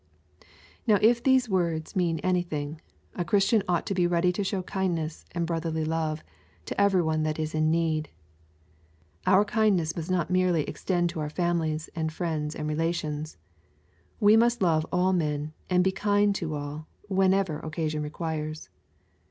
Now, if these words mean anything, a Christian ought to be ready to show kindness and brotherly love to every one that is in need. Our kindness must not merely extend to our families, and friends, and relations* We must love all men, and be kind to all, whenever occasion requires.